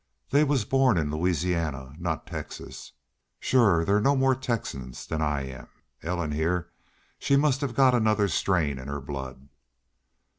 They was born in Louisiana not Texas.... Shore they're no more Texans than I am. Ellen heah, she must have got another strain in her blood."